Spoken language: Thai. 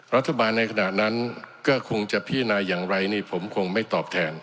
รัฐบาลในขณะนั้นก็คงจะพินาอย่างไรนี่ผมคงไม่ตอบแทน